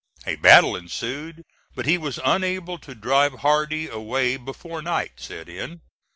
A battle ensued, but he was unable to drive Hardee away before night set in.